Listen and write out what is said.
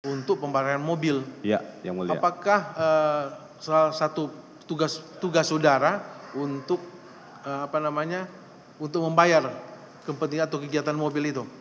untuk pembayaran mobil apakah salah satu tugas saudara untuk membayar kepentingan atau kegiatan mobil itu